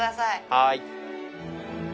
はい。